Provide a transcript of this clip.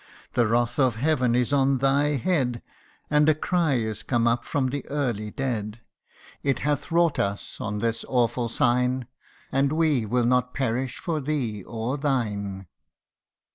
The wrath of Heaven is on thy head, And a cry is come up from the early dead It hath wrought on us this awful sign ; And we will not perish for thee or thine